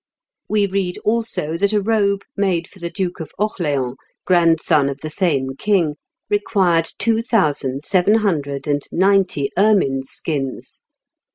We read also that a robe made for the Duke of Orleans, grandson of the same king, required two thousand seven hundred and ninety ermines' skins.